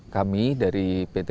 kami dari pt